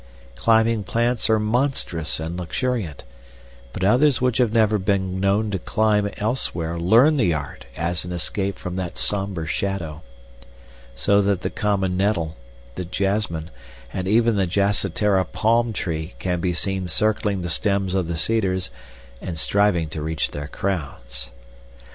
Climbing plants are monstrous and luxuriant, but others which have never been known to climb elsewhere learn the art as an escape from that somber shadow, so that the common nettle, the jasmine, and even the jacitara palm tree can be seen circling the stems of the cedars and striving to reach their crowns.